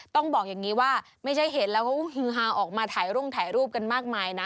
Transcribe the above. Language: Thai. ต้องบอกอย่างนี้ว่าไม่ใช่เห็นแล้วก็ฮือฮาออกมาถ่ายรุ่งถ่ายรูปกันมากมายนะ